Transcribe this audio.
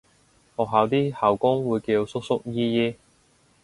學校啲校工會叫叔叔姨姨